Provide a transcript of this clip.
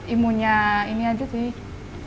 imunnya ini aja sih